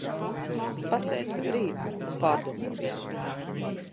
Pasēdi te brīdi un pārdomā visu.